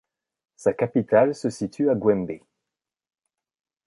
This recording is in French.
Sa capitale se situe à Gwembe.